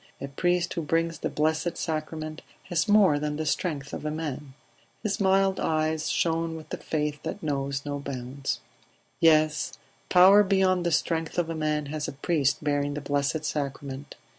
A priest who brings the Blessed Sacrament has more than the strength of a man." His mild eyes shone with the faith that knows no bounds. "Yes, power beyond the strength of a man has a priest bearing the Blessed Sacrament.